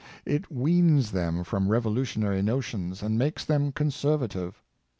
It weans them from revolutionary notions, and makes them conservative.